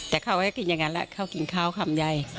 แต่เขาก็กินอย่างนั้นแล้วเขากินข้าวคำใหญ่